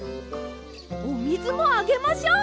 おみずもあげましょう！